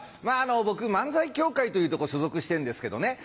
僕漫才協会というとこ所属してるんですけどね。